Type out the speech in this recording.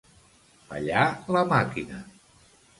Fallar la màquina.